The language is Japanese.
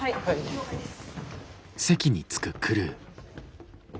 了解です。